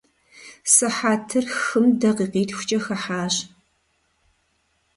Сыхьэтыр хым дакъикъитхукӏэ хыхьащ.